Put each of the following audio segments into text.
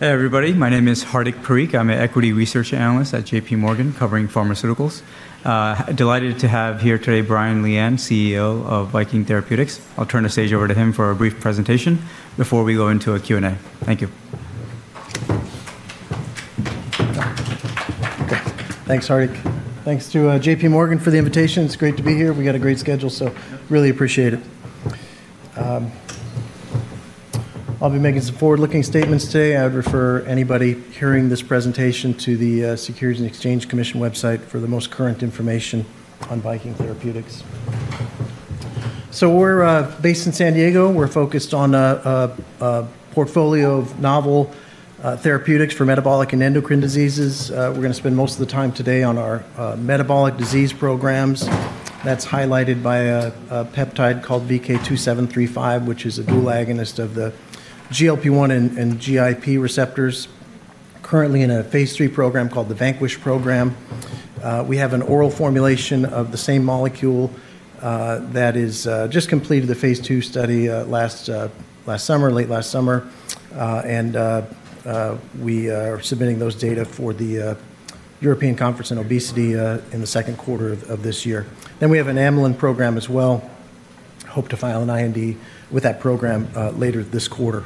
Hey, everybody. My name is Hardik Parikh. I'm an equity research analyst at J.P. Morgan covering pharmaceuticals. Delighted to have here today Brian Lian, CEO of Viking Therapeutics. I'll turn the stage over to him for a brief presentation before we go into a Q&A. Thank you. Thanks, Hardik. Thanks to J.P. Morgan for the invitation. It's great to be here. We've got a great schedule, so really appreciate it. I'll be making some forward-looking statements today. I would refer anybody hearing this presentation to the Securities and Exchange Commission website for the most current information on Viking Therapeutics. So we're based in San Diego. We're focused on a portfolio of novel therapeutics for metabolic and endocrine diseases. We're going to spend most of the time today on our metabolic disease programs. That's highlighted by a peptide called VK2735, which is a dual agonist of the GLP-1 and GIP receptors, currently in a phase III program called the VANQUISH program. We have an oral formulation of the same molecule that has just completed the phase II study last summer, late last summer. And we are submitting those data for the European Conference on Obesity in the second quarter of this year. Then we have an amylin program as well. Hope to file an IND with that program later this quarter.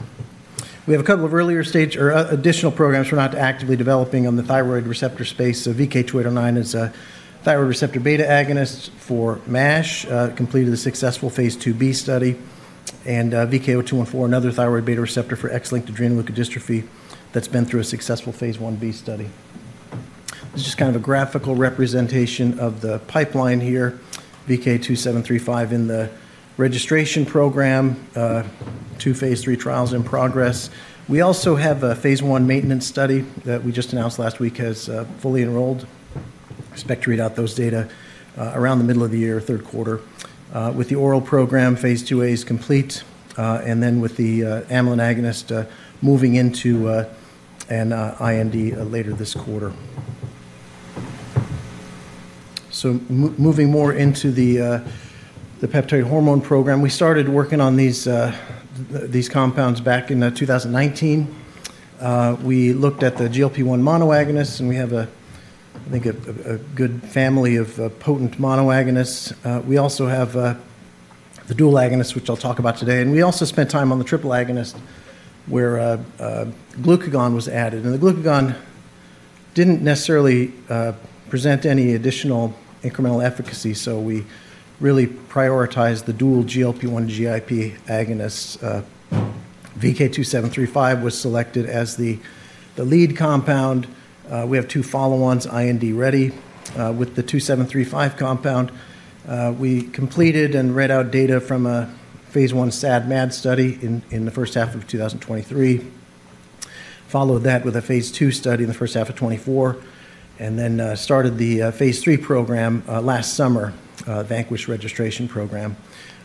We have a couple of earlier stage or additional programs we're not actively developing on the thyroid receptor space. So VK2809 is a thyroid receptor beta agonist for MASH, completed a successful phase IIB study. And VK0214, another thyroid beta receptor for X-linked adrenoleukodystrophy, that's been through a successful phase IB study. This is just kind of a graphical representation of the pipeline here. VK2735 in the registration program, two phase III trials in progress. We also have a phase I maintenance study that we just announced last week has fully enrolled. Expect to read out those data around the middle of the year, third quarter. With the oral program, phase IIA is complete, and then with the amylin agonist moving into an IND later this quarter. So moving more into the peptide hormone program, we started working on these compounds back in 2019. We looked at the GLP-1 monoagonists, and we have, I think, a good family of potent monoagonists. We also have the dual agonists, which I'll talk about today. And we also spent time on the triple agonist where glucagon was added. And the glucagon didn't necessarily present any additional incremental efficacy, so we really prioritized the dual GLP-1 and GIP agonists. VK2735 was selected as the lead compound. We have two follow-ons, IND ready with the 2735 compound. We completed and read out data from a phase I SAD/MAD study in the first half of 2023. Followed that with a phase II study in the first half of 2024, and then started the phase III program last summer, VANQUISH registration program.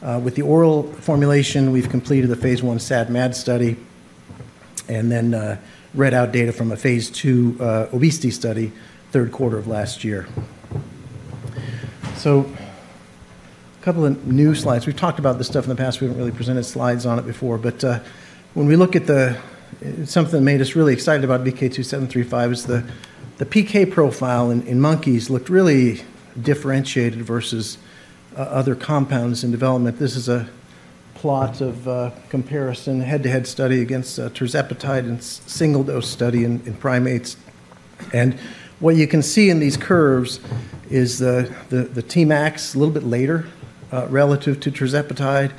With the oral formulation, we've completed the phase I SAD/MAD study and then read out data from a phase II obesity study third quarter of last year, so a couple of new slides. We've talked about this stuff in the past. We haven't really presented slides on it before, but when we look at the thing that made us really excited about VK2735 is the PK profile in monkeys looked really differentiated versus other compounds in development. This is a plot of comparison, head-to-head study against tirzepatide and single-dose study in primates, and what you can see in these curves is the Tmax a little bit later relative to tirzepatide,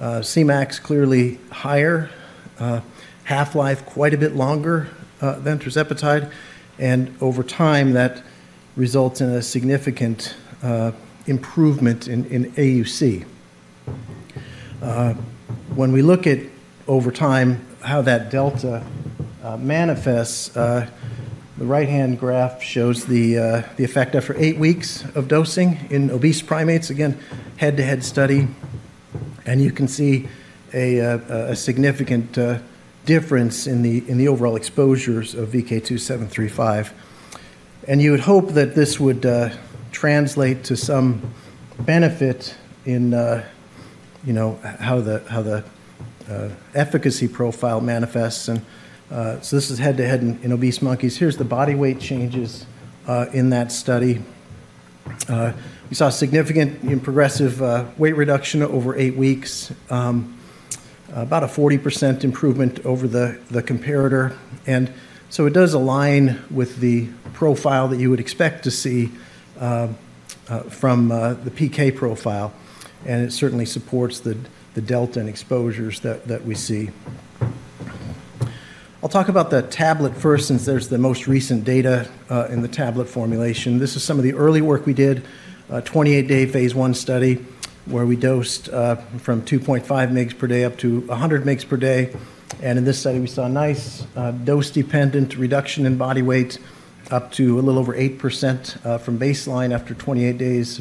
Cmax clearly higher, half-life quite a bit longer than tirzepatide. And over time, that results in a significant improvement in AUC. When we look at over time how that delta manifests, the right-hand graph shows the effect after eight weeks of dosing in obese primates. Again, head-to-head study. And you can see a significant difference in the overall exposures of VK2735. And you would hope that this would translate to some benefit in how the efficacy profile manifests. And so this is head-to-head in obese monkeys. Here's the body weight changes in that study. We saw significant and progressive weight reduction over eight weeks, about a 40% improvement over the comparator. And so it does align with the profile that you would expect to see from the PK profile. And it certainly supports the delta and exposures that we see. I'll talk about the tablet first since there's the most recent data in the tablet formulation. This is some of the early work we did, a 28-day phase I study where we dosed from 2.5 mg per day up to 100 mg per day. And in this study, we saw nice dose-dependent reduction in body weight up to a little over 8% from baseline after 28 days.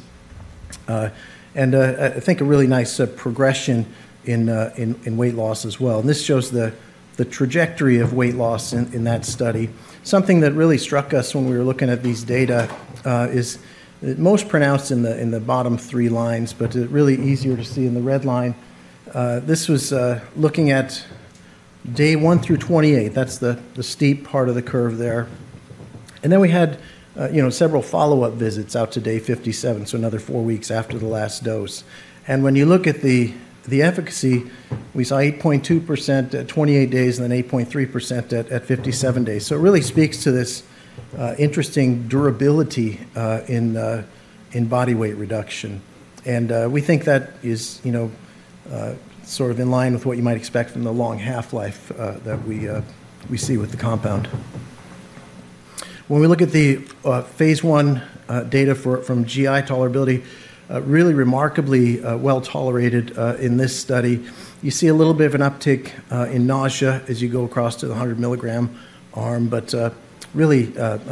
And I think a really nice progression in weight loss as well. And this shows the trajectory of weight loss in that study. Something that really struck us when we were looking at these data is most pronounced in the bottom three lines, but really easier to see in the red line. This was looking at day 1 through 28. That's the steep part of the curve there. And then we had several follow-up visits out to day 57, so another four weeks after the last dose. And when you look at the efficacy, we saw 8.2% at 28 days and then 8.3% at 57 days. So it really speaks to this interesting durability in body weight reduction. And we think that is sort of in line with what you might expect from the long half-life that we see with the compound. When we look at the phase I data from GI tolerability. Really remarkably well tolerated in this study. You see a little bit of an uptick in nausea as you go across to the 100 mg arm, but really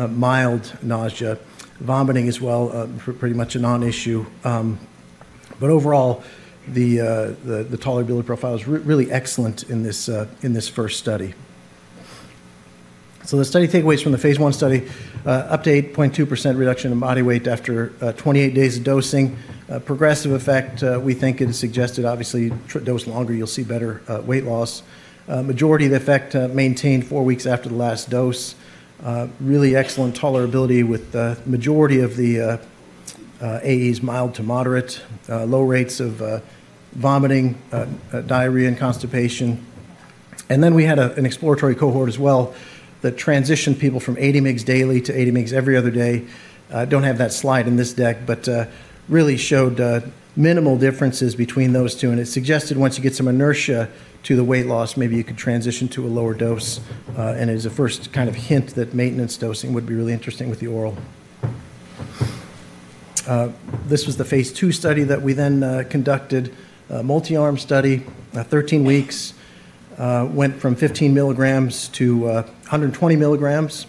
mild nausea. Vomiting as well, pretty much a non-issue. But overall, the tolerability profile is really excellent in this first study. So the study takeaways from the phase I study: up to 8.2% reduction in body weight after 28 days of dosing. Progressive effect, we think, is suggested. Obviously, dose longer, you'll see better weight loss. Majority of the effect maintained four weeks after the last dose. Really excellent tolerability with the majority of the AEs, mild to moderate. Low rates of vomiting, diarrhea, and constipation. And then we had an exploratory cohort as well that transitioned people from 80 mg daily to 80 mg every other day. Don't have that slide in this deck, but really showed minimal differences between those two. And it suggested once you get some inertia to the weight loss, maybe you could transition to a lower dose. And it was the first kind of hint that maintenance dosing would be really interesting with the oral. This was the phase II study that we then conducted, a multi-arm study, 13 weeks. Went from 15 mg to 120 mg.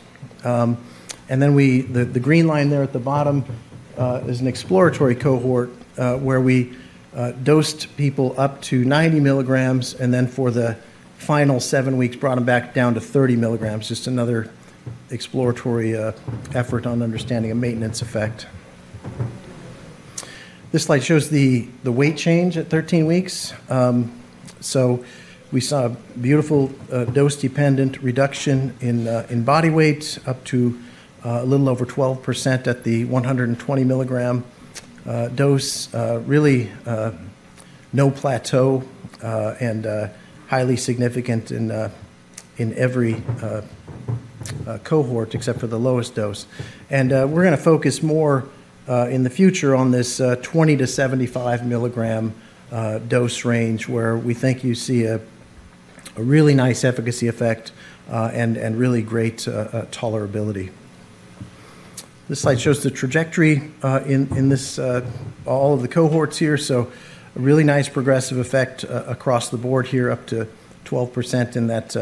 The green line there at the bottom is an exploratory cohort where we dosed people up to 90 mg and then for the final seven weeks brought them back down to 30 mg. Just another exploratory effort on understanding a maintenance effect. This slide shows the weight change at 13 weeks. We saw a beautiful dose-dependent reduction in body weight up to a little over 12% at the 120 mg dose. Really no plateau and highly significant in every cohort except for the lowest dose, and we're going to focus more in the future on this 20-75 mg dose range where we think you see a really nice efficacy effect and really great tolerability. This slide shows the trajectory in all of the cohorts here. So a really nice progressive effect across the board here up to 12% in that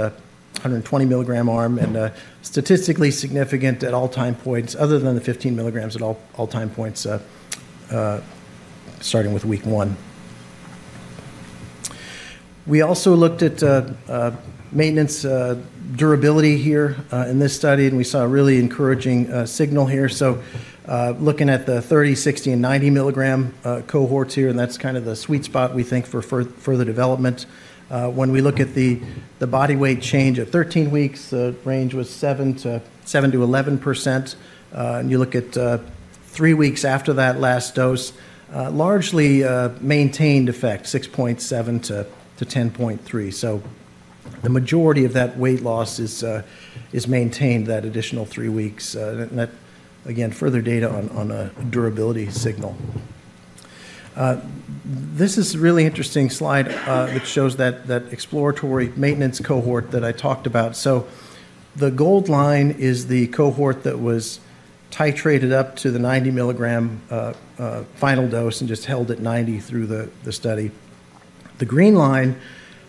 120 mg arm and statistically significant at all time points other than the 15 mg at all time points starting with week 1. We also looked at maintenance durability here in this study, and we saw a really encouraging signal here. So looking at the 30 mg, 60 mg, and 90 mg cohorts here, and that's kind of the sweet spot we think for further development. When we look at the body weight change at 13 weeks, the range was 7%-11%. And you look at 3 weeks after that last dose, largely maintained effect, 6.7%-10.3%. So the majority of that weight loss is maintained, that additional 3 weeks. And that, again, further data on a durability signal. This is a really interesting slide that shows that exploratory maintenance cohort that I talked about. So the gold line is the cohort that was titrated up to the 90 mg final dose and just held at 90 through the study. The green line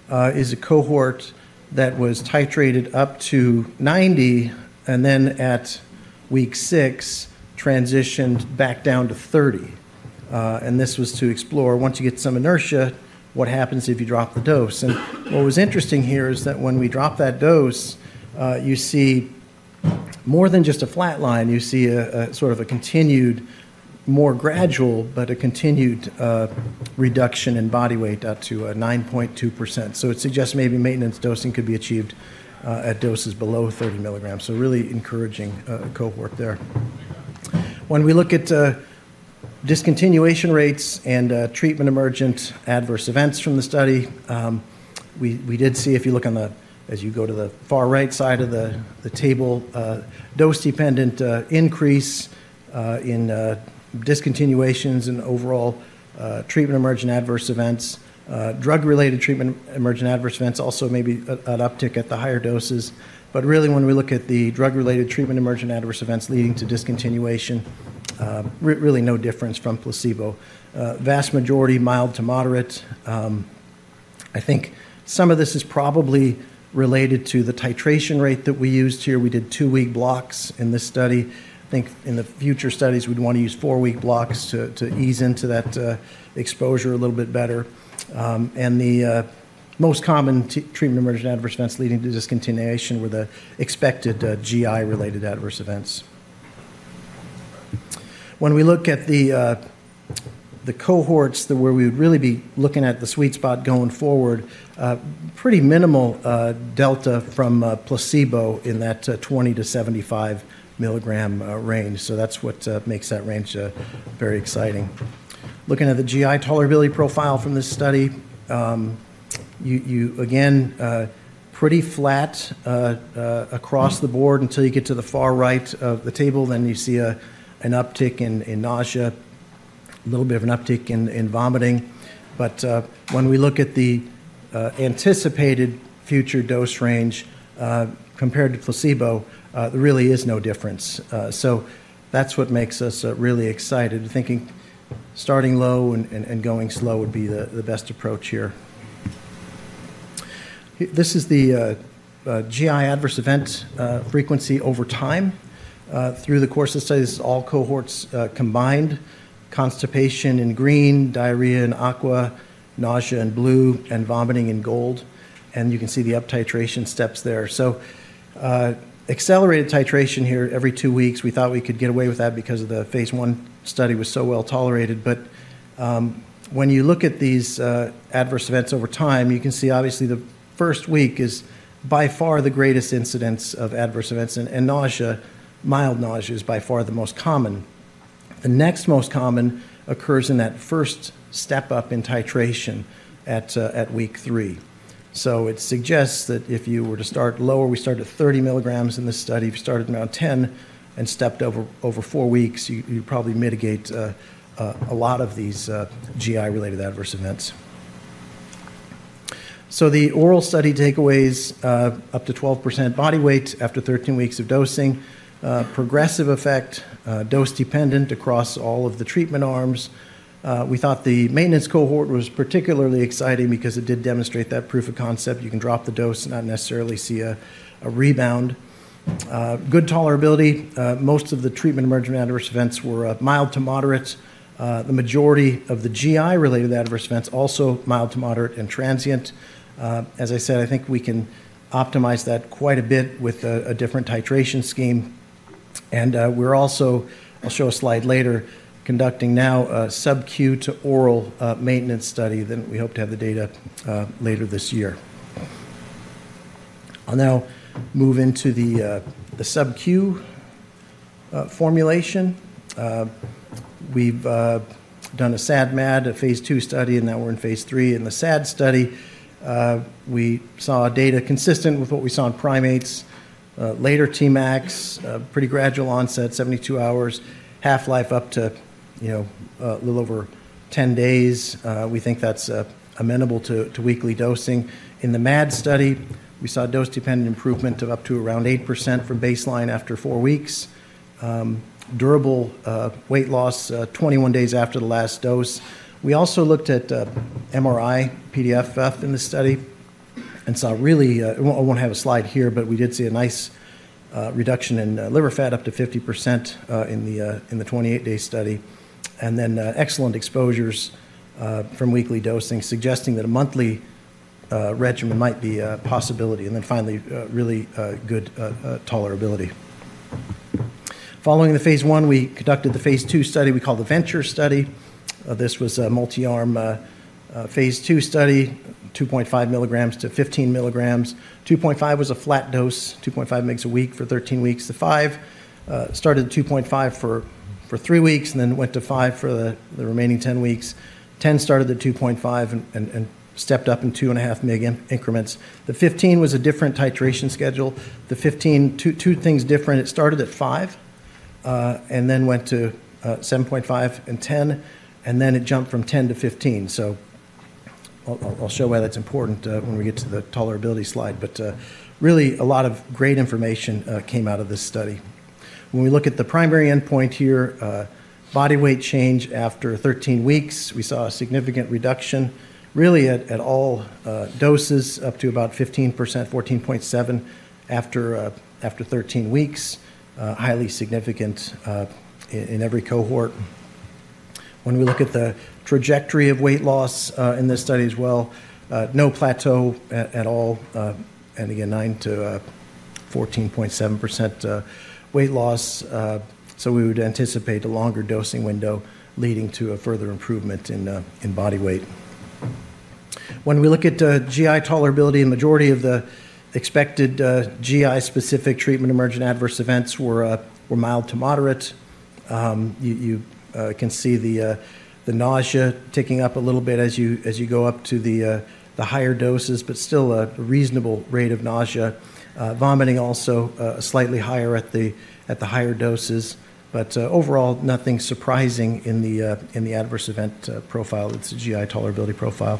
is a cohort that was titrated up to 90 and then at week six transitioned back down to 30. And this was to explore once you get some inertia, what happens if you drop the dose. And what was interesting here is that when we drop that dose, you see more than just a flat line. You see a sort of a continued, more gradual, but a continued reduction in body weight up to 9.2%. So it suggests maybe maintenance dosing could be achieved at doses below 30 mg. So really encouraging cohort there. When we look at discontinuation rates and treatment emergent adverse events from the study, we did see, if you look on the, as you go to the far right side of the table, dose-dependent increase in discontinuations and overall treatment emergent adverse events. Drug-related treatment emergent adverse events also maybe an uptick at the higher doses. But really, when we look at the drug-related treatment emergent adverse events leading to discontinuation, really no difference from placebo. Vast majority mild to moderate. I think some of this is probably related to the titration rate that we used here. We did two-week blocks in this study. I think in the future studies, we'd want to use four-week blocks to ease into that exposure a little bit better, and the most common treatment emergent adverse events leading to discontinuation were the expected GI-related adverse events. When we look at the cohorts where we would really be looking at the sweet spot going forward, pretty minimal delta from placebo in that 20-75 mg range. So that's what makes that range very exciting. Looking at the GI tolerability profile from this study, you again, pretty flat across the board until you get to the far right of the table. Then you see an uptick in nausea, a little bit of an uptick in vomiting. But when we look at the anticipated future dose range compared to placebo, there really is no difference. So that's what makes us really excited. Thinking starting low and going slow would be the best approach here. This is the GI adverse event frequency over time through the course of the study. This is all cohorts combined. Constipation in green, diarrhea in aqua, nausea in blue, and vomiting in gold. And you can see the up-titration steps there. So accelerated titration here every two weeks. We thought we could get away with that because the phase I study was so well tolerated. But when you look at these adverse events over time, you can see obviously the first week is by far the greatest incidence of adverse events. And nausea, mild nausea is by far the most common. The next most common occurs in that first step up in titration at week three. So it suggests that if you were to start lower, we started at 30 mg in this study. If you started around 10 and stepped over four weeks, you'd probably mitigate a lot of these GI-related adverse events. So the oral study takeaways, up to 12% body weight after 13 weeks of dosing. Progressive effect, dose-dependent across all of the treatment arms. We thought the maintenance cohort was particularly exciting because it did demonstrate that proof of concept. You can drop the dose, not necessarily see a rebound. Good tolerability. Most of the treatment emergent adverse events were mild to moderate. The majority of the GI-related adverse events also mild to moderate and transient. As I said, I think we can optimize that quite a bit with a different titration scheme. And we're also, I'll show a slide later, conducting now a sub-Q to oral maintenance study. Then we hope to have the data later this year. I'll now move into the sub-Q formulation. We've done a SAD-MAD, a phase II study, and now we're in phase III. In the SAD study, we saw data consistent with what we saw in primates. Later Tmax, pretty gradual onset, 72 hours, half-life up to a little over 10 days. We think that's amenable to weekly dosing. In the MAD study, we saw dose-dependent improvement of up to around 8% from baseline after four weeks. Durable weight loss 21 days after the last dose. We also looked at MRI-PDFF in this study and saw really, I won't have a slide here, but we did see a nice reduction in liver fat up to 50% in the 28-day study. And then excellent exposures from weekly dosing suggesting that a monthly regimen might be a possibility. And then finally, really good tolerability. Following the phase I, we conducted the phase II study we called the VENTURE study. This was a multi-arm phase II study, 2.5 mg to 15 mg. 2.5 was a flat dose, 2.5 mg a week for 13 weeks to 5. Started at 2.5 for three weeks and then went to 5 for the remaining 10 weeks. 10 started at 2.5 and stepped up in 2.5 mg increments. The 15 was a different titration schedule. The 15, two things different. It started at 5 and then went to 7.5 and 10, and then it jumped from 10-15. So I'll show why that's important when we get to the tolerability slide. But really, a lot of great information came out of this study. When we look at the primary endpoint here, body weight change after 13 weeks, we saw a significant reduction. Really, at all doses, up to about 15%, 14.7% after 13 weeks, highly significant in every cohort. When we look at the trajectory of weight loss in this study as well, no plateau at all. And again, 9%-14.7% weight loss. So we would anticipate a longer dosing window leading to a further improvement in body weight. When we look at GI tolerability, the majority of the expected GI-specific treatment emergent adverse events were mild to moderate. You can see the nausea ticking up a little bit as you go up to the higher doses, but still a reasonable rate of nausea. Vomiting also slightly higher at the higher doses. But overall, nothing surprising in the adverse event profile. It's a GI tolerability profile.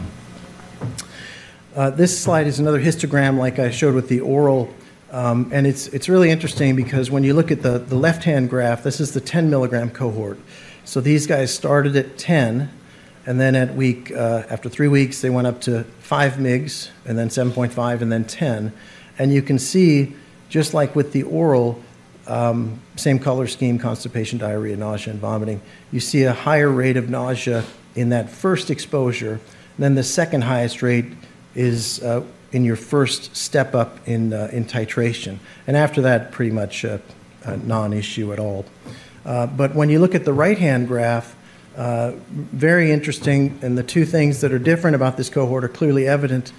This slide is another histogram like I showed with the oral. And it's really interesting because when you look at the left-hand graph, this is the 10 mg cohort. So these guys started at 10, and then at week, after three weeks, they went up to 5 mg and then 7.5 and then 10. And you can see, just like with the oral, same color scheme, constipation, diarrhea, nausea, and vomiting. You see a higher rate of nausea in that first exposure. Then the second highest rate is in your first step up in titration. And after that, pretty much non-issue at all. But when you look at the right-hand graph, very interesting. And the two things that are different about this cohort are clearly evident.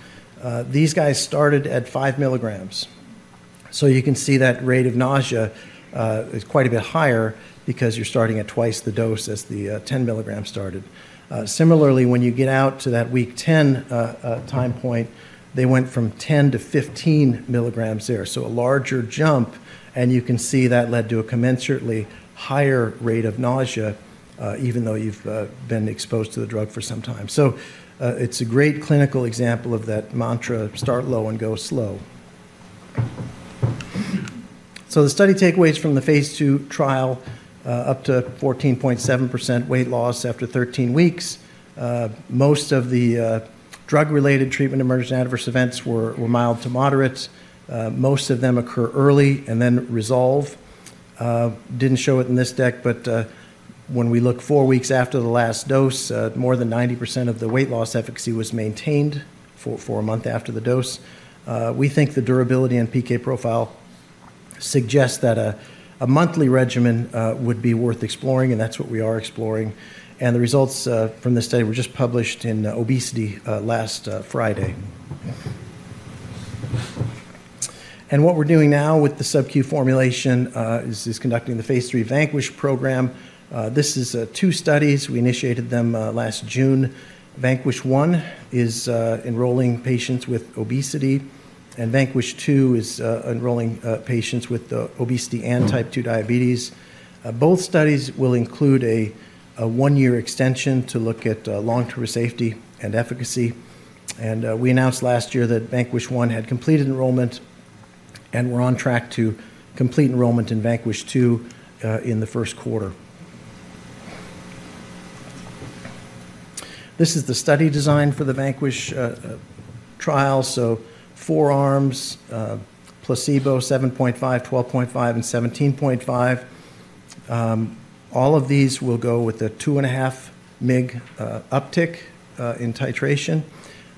These guys started at five mg. So you can see that rate of nausea is quite a bit higher because you're starting at twice the dose as the 10 mg started. Similarly, when you get out to that week 10 time point, they went from 10-15 mg there. So a larger jump. And you can see that led to a commensurately higher rate of nausea even though you've been exposed to the drug for some time. So it's a great clinical example of that mantra, start low and go slow. So, the study takeaways from the phase II trial, up to 14.7% weight loss after 13 weeks. Most of the drug-related treatment emergent adverse events were mild to moderate. Most of them occur early and then resolve. Didn't show it in this deck, but when we look four weeks after the last dose, more than 90% of the weight loss efficacy was maintained for a month after the dose. We think the durability and PK profile suggest that a monthly regimen would be worth exploring, and that's what we are exploring, and the results from this study were just published in Obesity last Friday, and what we're doing now with the sub-Q formulation is conducting the phase III VANQUISH program. This is two studies. We initiated them last June. VANQUISH I is enrolling patients with obesity, and VANQUISH II is enrolling patients with obesity and type 2 diabetes. Both studies will include a one-year extension to look at long-term safety and efficacy. And we announced last year that VANQUISH I had completed enrollment and we're on track to complete enrollment in VANQUISH II in the first quarter. This is the study design for the VANQUISH trial. So four arms, placebo, 7.5, 12.5, and 17.5. All of these will go with a 2.5 mg uptick in titration,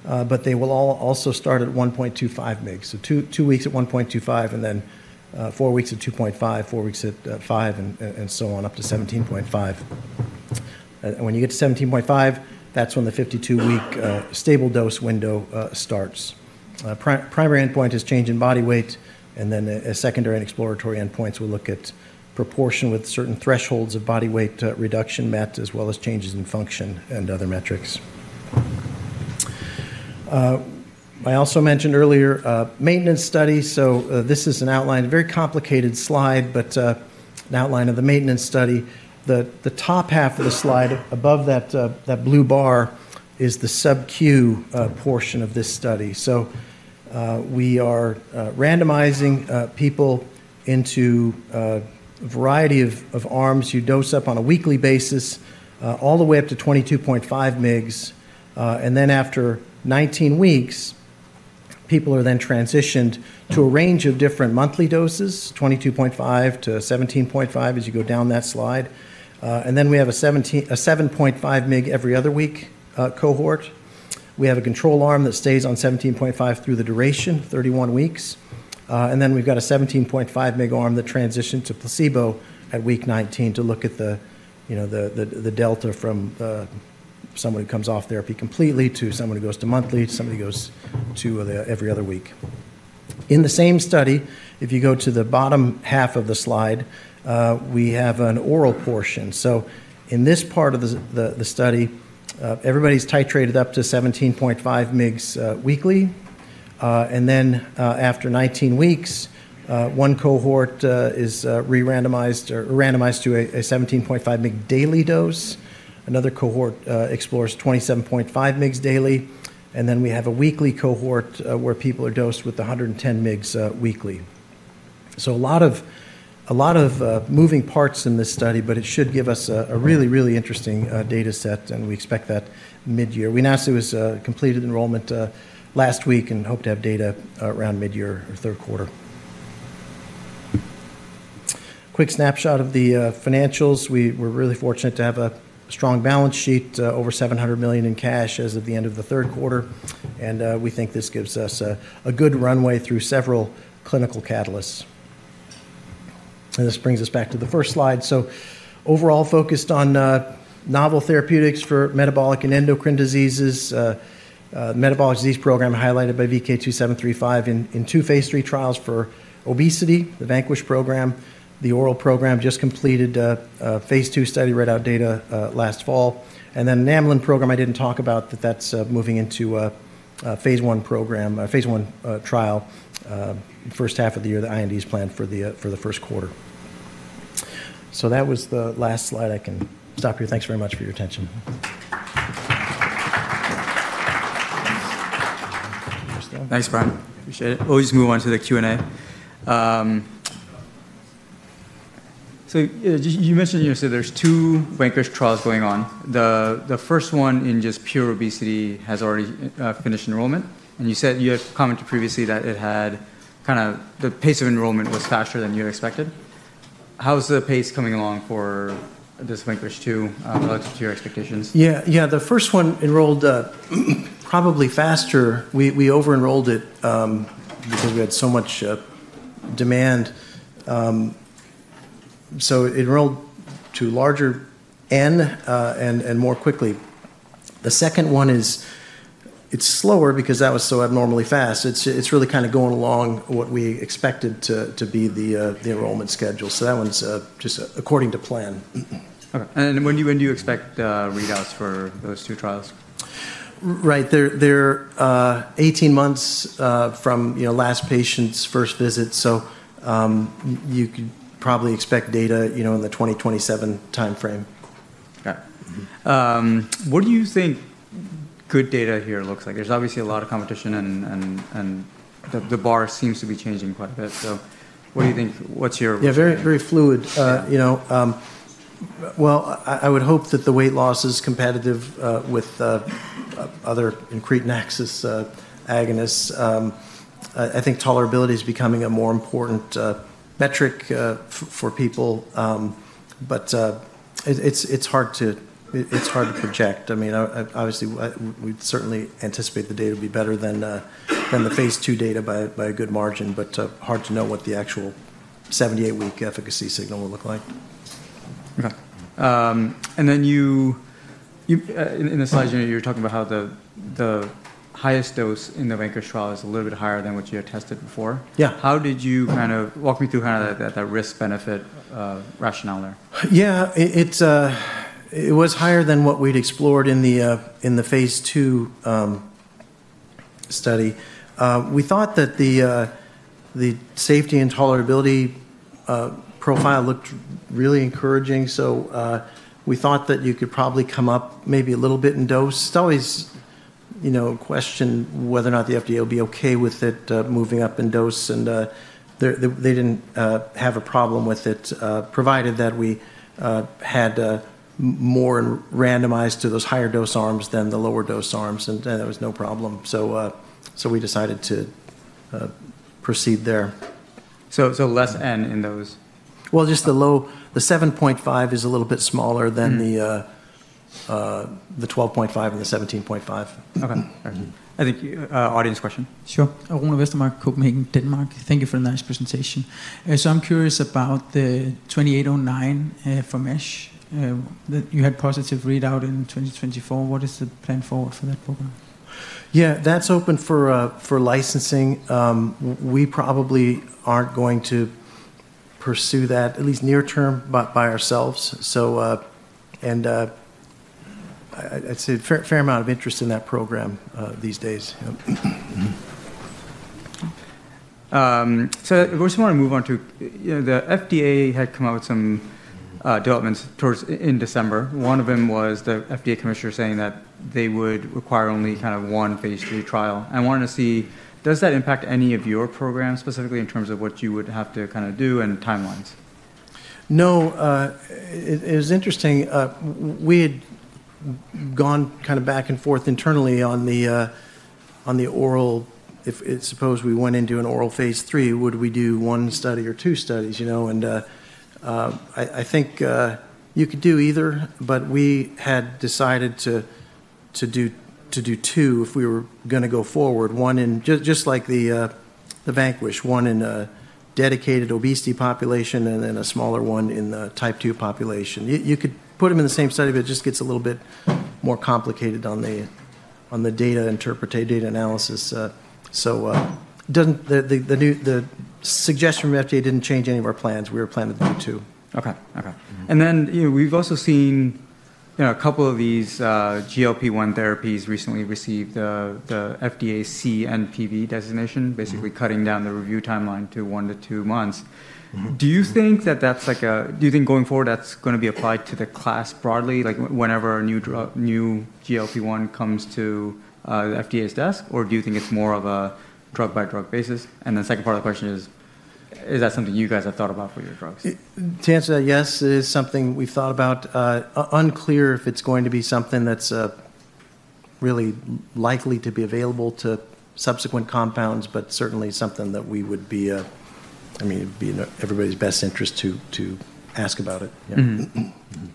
but they will all also start at 1.25 mg. So two weeks at 1.25 and then four weeks at 2.5, four weeks at 5, and so on up to 17.5. And when you get to 17.5, that's when the 52-week stable dose window starts. Primary endpoint is change in body weight, and then secondary and exploratory endpoints will look at proportion with certain thresholds of body weight reduction met as well as changes in function and other metrics. I also mentioned earlier maintenance study, so this is an outline, a very complicated slide, but an outline of the maintenance study. The top half of the slide above that blue bar is the sub-Q portion of this study, so we are randomizing people into a variety of arms. You dose up on a weekly basis all the way up to 22.5 mg, and then after 19 weeks, people are then transitioned to a range of different monthly doses, 22.5-17.5 as you go down that slide, and then we have a 7.5 mg every other week cohort. We have a control arm that stays on 17.5 through the duration, 31 weeks. And then we've got a 17.5 mg arm that transitioned to placebo at week 19 to look at the delta from someone who comes off therapy completely to someone who goes to monthly, to somebody who goes to every other week. In the same study, if you go to the bottom half of the slide, we have an oral portion. So in this part of the study, everybody's titrated up to 17.5 mg weekly. And then after 19 weeks, one cohort is re-randomized to a 17.5 mg daily dose. Another cohort explores 27.5 mg daily. And then we have a weekly cohort where people are dosed with 110 mg weekly. So a lot of moving parts in this study, but it should give us a really, really interesting data set. And we expect that mid-year. We announced it was completed enrollment last week and hope to have data around mid-year or third quarter. Quick snapshot of the financials. We were really fortunate to have a strong balance sheet, over $700 million in cash as of the end of the third quarter. And this brings us back to the first slide. So overall focused on novel therapeutics for metabolic and endocrine diseases. Metabolic disease program highlighted by VK2735 in two phase III trials for obesity, the VANQUISH program. The oral program just completed phase II study, read out data last fall. And then an amylin program I didn't talk about, but that's moving into phase I trial first half of the year that IND has planned for the first quarter. So that was the last slide. I can stop here. Thanks very much for your attention. Thanks, Brian. Appreciate it. We'll just move on to the Q&A. So you mentioned you said there's two VANQUISH trials going on. The first one in just pure obesity has already finished enrollment. And you said you had commented previously that it had kind of the pace of enrollment was faster than you expected. How's the pace coming along for this VANQUISH II relative to your expectations? Yeah. Yeah. The first one enrolled probably faster. We over-enrolled it because we had so much demand. So it enrolled to larger N and more quickly. The second one is, it's slower because that was so abnormally fast. It's really kind of going along what we expected to be the enrollment schedule. So that one's just according to plan. Okay, and when do you expect readouts for those two trials? Right. They're 18 months from last patient's first visit. So you could probably expect data in the 2027 timeframe. Got it. What do you think good data here looks like? There's obviously a lot of competition, and the bar seems to be changing quite a bit. So what do you think? What's your? Yeah. Very, very fluid. Well, I would hope that the weight loss is competitive with other incretin axis agonists. I think tolerability is becoming a more important metric for people. But it's hard to project. I mean, obviously, we'd certainly anticipate the data would be better than the phase II data by a good margin, but hard to know what the actual 78-week efficacy signal will look like. Okay. And then you, in the slides, you were talking about how the highest dose in the VANQUISH trial is a little bit higher than what you had tested before. Yeah. How did you kind of walk me through kind of that risk-benefit rationale there? Yeah. It was higher than what we'd explored in the phase II study. We thought that the safety and tolerability profile looked really encouraging. So we thought that you could probably come up maybe a little bit in dose. It's always a question whether or not the FDA will be okay with it moving up in dose. And they didn't have a problem with it, provided that we had more randomized to those higher dose arms than the lower dose arms. And there was no problem. So we decided to proceed there. Less N in those? Just the low, the 7.5 is a little bit smaller than the 12.5 and the 17.5. Okay. I think audience question. Sure. Unni Westermark, Copenhagen, Denmark. Thank you for the nice presentation. So I'm curious about the 2809 for MASH that you had positive readout in 2024. What is the plan forward for that program? Yeah. That's open for licensing. We probably aren't going to pursue that, at least near term, by ourselves. And I'd say a fair amount of interest in that program these days. So I just want to move on. The FDA had come out with some developments in December. One of them was the FDA Commissioner saying that they would require only kind of one phase III trial. I wanted to see, does that impact any of your programs specifically in terms of what you would have to kind of do and timelines? No. It was interesting. We had gone kind of back and forth internally on the oral. If, suppose we went into an oral phase III, would we do one study or two studies? And I think you could do either, but we had decided to do two if we were going to go forward. One in, just like the VANQUISH, one in a dedicated obesity population and then a smaller one in the type II population. You could put them in the same study, but it just gets a little bit more complicated on the data analysis. So the suggestion from FDA didn't change any of our plans. We were planning to do two. Okay. And then we've also seen a couple of these GLP-1 therapies recently received the FDA BTD designation, basically cutting down the review timeline to one to two months. Do you think that that's like a, do you think going forward that's going to be applied to the class broadly, like whenever a new GLP-1 comes to the FDA's desk, or do you think it's more of a drug-by-drug basis? And the second part of the question is, is that something you guys have thought about for your drugs? To answer that, yes, it is something we've thought about. It's unclear if it's going to be something that's really likely to be available to subsequent compounds, but certainly something that we would be. I mean, it'd be in everybody's best interest to ask about it.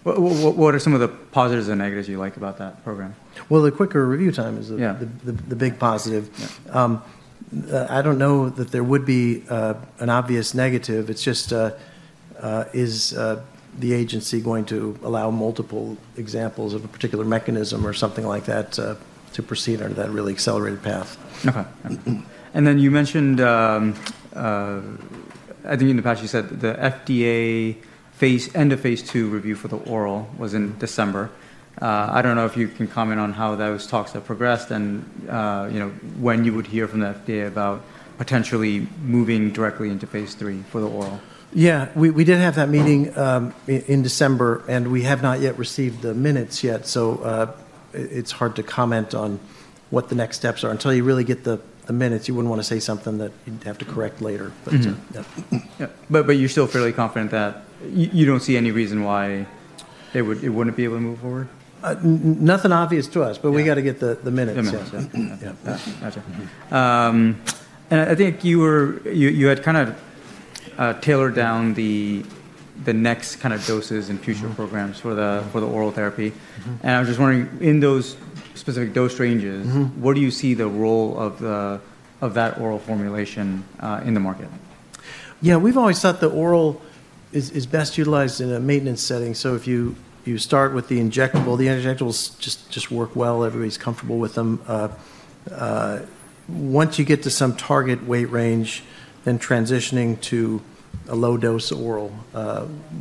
What are some of the positives and negatives you like about that program? The quicker review time is the big positive. I don't know that there would be an obvious negative. It's just, is the agency going to allow multiple examples of a particular mechanism or something like that to proceed under that really accelerated path? Okay. And then you mentioned, I think in the past you said the FDA end of phase II review for the oral was in December. I don't know if you can comment on how those talks have progressed and when you would hear from the FDA about potentially moving directly into phase III for the oral? Yeah. We did have that meeting in December, and we have not yet received the minutes yet. So it's hard to comment on what the next steps are. Until you really get the minutes, you wouldn't want to say something that you'd have to correct later. But you're still fairly confident that you don't see any reason why it wouldn't be able to move forward? Nothing obvious to us, but we got to get the minutes. Gotcha. And I think you had kind of tailored down the next kind of doses and future programs for the oral therapy. And I was just wondering, in those specific dose ranges, what do you see the role of that oral formulation in the market? Yeah. We've always thought the oral is best utilized in a maintenance setting, so if you start with the injectable, the injectables just work well. Everybody's comfortable with them. Once you get to some target weight range, then transitioning to a low-dose oral,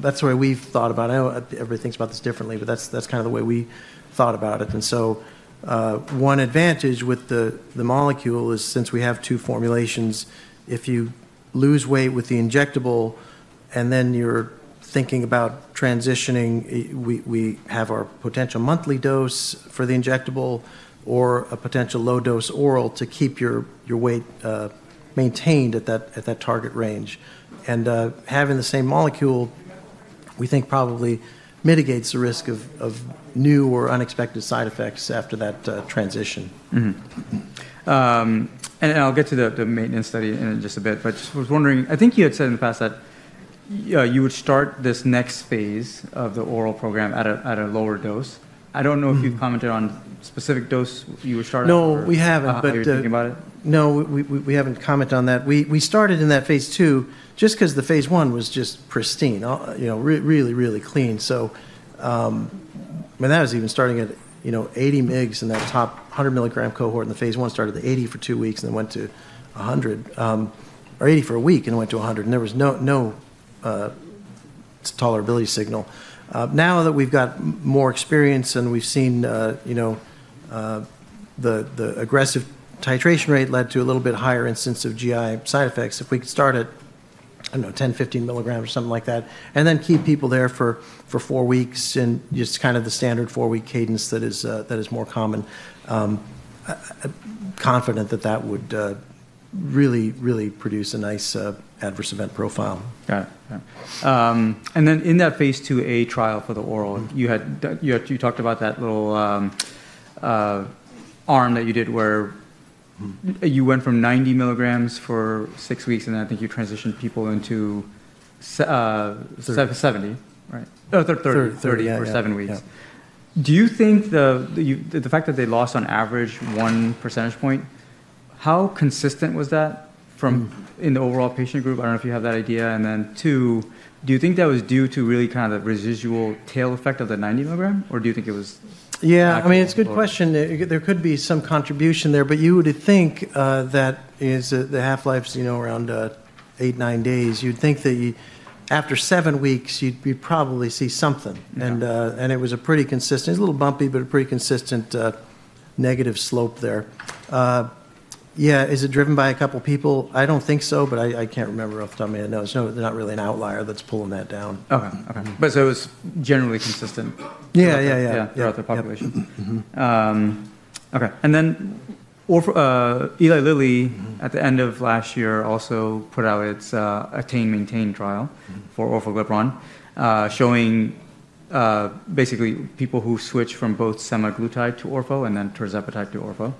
that's the way we've thought about it. Everybody thinks about this differently, but that's kind of the way we thought about it, and so one advantage with the molecule is since we have two formulations, if you lose weight with the injectable and then you're thinking about transitioning, we have our potential monthly dose for the injectable or a potential low-dose oral to keep your weight maintained at that target range, and having the same molecule, we think probably mitigates the risk of new or unexpected side effects after that transition. And I'll get to the maintenance study in just a bit, but I was wondering, I think you had said in the past that you would start this next phase of the oral program at a lower dose. I don't know if you've commented on specific dose you would start at? No, we haven't. Or did you think about it? No, we haven't commented on that. We started in that phase II just because the phase I was just pristine, really, really clean. So when that was even starting at 80 mg in that top 100 mg cohort in the phase I, started at 80 for two weeks and then went to 100, or 80 for a week and then went to 100. And there was no tolerability signal. Now that we've got more experience and we've seen the aggressive titration rate led to a little bit higher incidence of GI side effects, if we could start at, I don't know, 10, 15 mg or something like that, and then keep people there for four weeks in just kind of the standard four-week cadence that is more common, I'm confident that that would really, really produce a nice adverse event profile. Got it. And then in that phase IIA trial for the oral, you talked about that little arm that you did where you went from 90 mg for six weeks, and then I think you transitioned people into 70, right? 30. 30 or seven weeks. Do you think the fact that they lost on average one percentage point, how consistent was that in the overall patient group? I don't know if you have that idea. And then two, do you think that was due to really kind of the residual tail effect of the 90 mg? Or do you think it was? Yeah. I mean, it's a good question. There could be some contribution there, but you would think that the half-life is around eight, nine days. You'd think that after seven weeks, you'd probably see something, and it was a pretty consistent. It's a little bumpy, but a pretty consistent negative slope there. Yeah. Is it driven by a couple of people? I don't think so, but I can't remember off the top of my head. No, it's not really an outlier that's pulling that down. Okay. But so it was generally consistent throughout the population? Yeah. Yeah. Yeah. Throughout the population. Okay. And then Eli Lilly, at the end of last year, also put out its ATTAIN Maintain trial for orforglipron, showing basically people who switch from both semaglutide to orfo and then tirzepatide to orfo.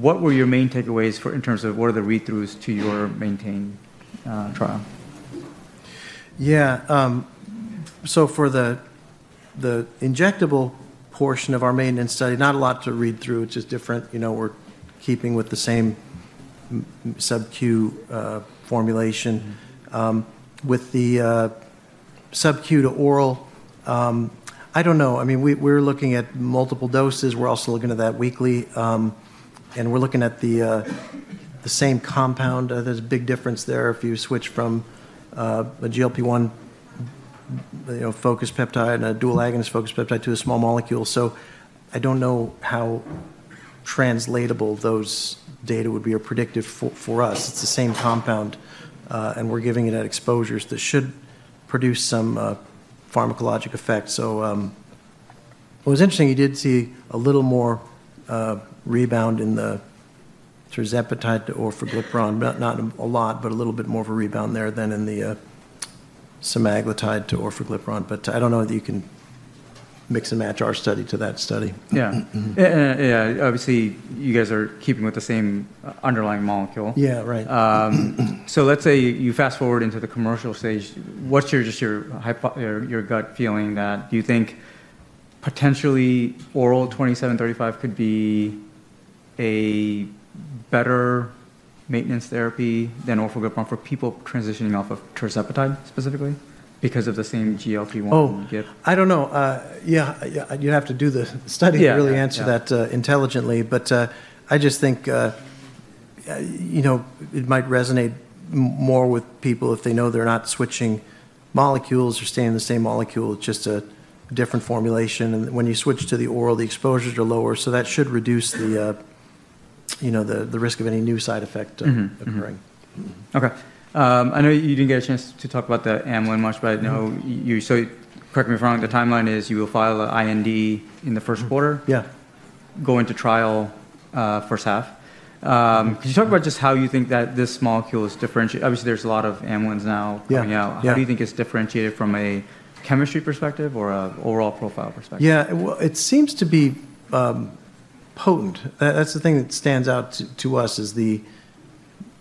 What were your main takeaways in terms of what are the read-throughs to your maintain trial? Yeah. So for the injectable portion of our maintenance study, not a lot to read through. It's just different. We're keeping with the same Sub-Q formulation. With the Sub-Q to oral, I don't know. I mean, we're looking at multiple doses. We're also looking at that weekly. And we're looking at the same compound. There's a big difference there if you switch from a GLP-1 focused peptide and a dual agonist focused peptide to a small molecule. So I don't know how translatable those data would be or predictive for us. It's the same compound, and we're giving it at exposures that should produce some pharmacologic effect. So it was interesting. You did see a little more rebound in the tirzepatide to orforglipron, not a lot, but a little bit more of a rebound there than in the semaglutide to orforglipron. But I don't know that you can mix and match our study to that study. Yeah. Yeah. Obviously, you guys are keeping with the same underlying molecule. Yeah. Right. Let's say you fast forward into the commercial stage. What's just your gut feeling that you think potentially oral VK2735 could be a better maintenance therapy than orforglipron for people transitioning off of tirzepatide specifically because of the same GLP-1? Oh, I don't know. Yeah. You'd have to do the study to really answer that intelligently. But I just think it might resonate more with people if they know they're not switching molecules or staying in the same molecule, just a different formulation. And when you switch to the oral, the exposures are lower. So that should reduce the risk of any new side effect occurring. Okay. I know you didn't get a chance to talk about the amylin much, but I know, so correct me if I'm wrong, the timeline is you will file an IND in the first quarter, go into trial first half. Could you talk about just how you think that this molecule is differentiated? Obviously, there's a lot of amylin now coming out. How do you think it's differentiated from a chemistry perspective or an oral profile perspective? Yeah. Well, it seems to be potent. That's the thing that stands out to us is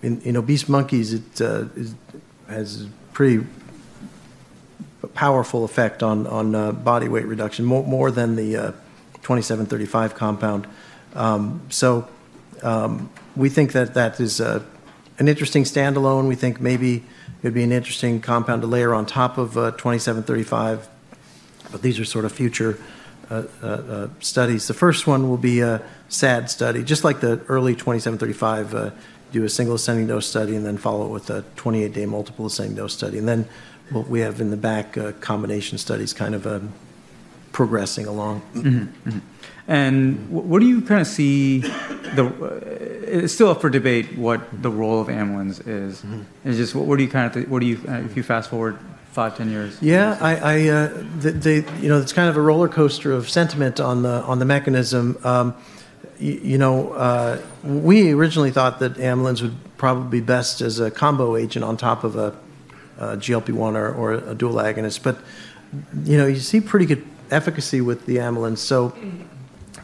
in obese monkeys, it has a pretty powerful effect on body weight reduction, more than the 2735 compound. So we think that that is an interesting standalone. We think maybe it'd be an interesting compound to layer on top of 2735. But these are sort of future studies. The first one will be a SAD study, just like the early 2735, do a single ascending dose study and then follow it with a 28-day multiple ascending dose study. And then what we have in the back, combination studies kind of progressing along. What do you kind of see? It's still up for debate what the role of amylin is. What do you kind of think? If you fast forward five, ten years? Yeah. It's kind of a roller coaster of sentiment on the mechanism. We originally thought that amylin would probably be best as a combo agent on top of a GLP-1 or a dual agonist. But you see pretty good efficacy with the amylin. So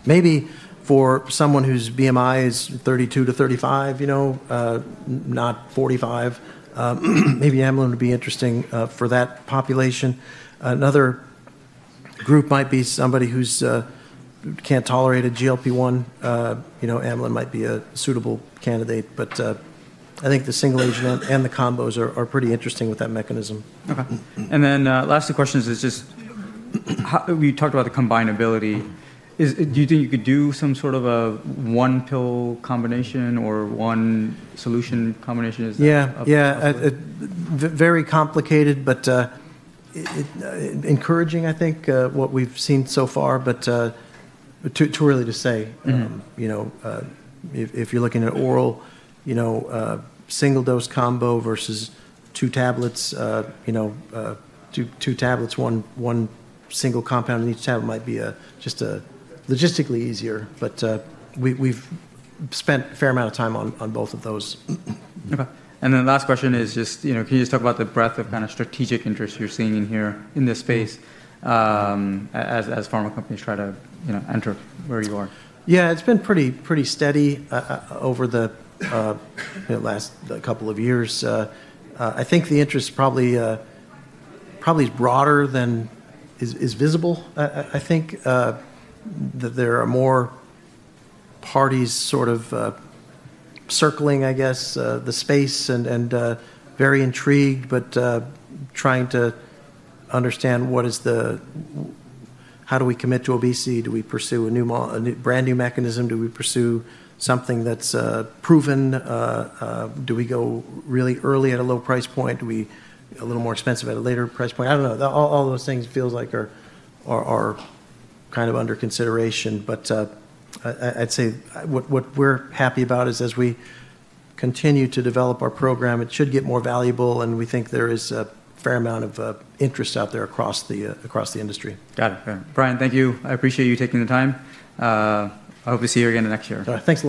maybe for someone whose BMI is 32 to 35, not 45, maybe amylin would be interesting for that population. Another group might be somebody who can't tolerate a GLP-1. amylin might be a suitable candidate. But I think the single agent and the combos are pretty interesting with that mechanism. Okay. And then the last two questions is just, we talked about the combinability. Do you think you could do some sort of a one pill combination or one solution combination? Yeah. Yeah. Very complicated, but encouraging, I think, what we've seen so far. But too early to say. If you're looking at oral, single dose combo versus two tablets, two tablets, one single compound in each tablet might be just logistically easier. But we've spent a fair amount of time on both of those. Okay. And then the last question is just, can you just talk about the breadth of kind of strategic interest you're seeing in here in this space as pharma companies try to enter where you are? Yeah. It's been pretty steady over the last couple of years. I think the interest probably is broader than is visible. I think that there are more parties sort of circling, I guess, the space and very intrigued, but trying to understand what is the how do we commit to obesity? Do we pursue a brand new mechanism? Do we pursue something that's proven? Do we go really early at a low price point? Do we a little more expensive at a later price point? I don't know. All those things feel like are kind of under consideration, but I'd say what we're happy about is as we continue to develop our program, it should get more valuable, and we think there is a fair amount of interest out there across the industry. Got it. Brian, thank you. I appreciate you taking the time. I hope to see you again next year. Thanks.